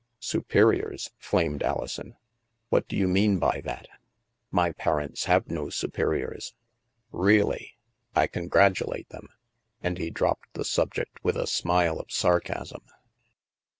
" Superiors ?" flamed Alison. " What do you mean by that? My parents have no superiors." THE MAELSTROM 145 " Really? I congratulate them," and he dropped the subject with a' smile of sarcasm.